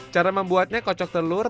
cara membuatnya kocok telur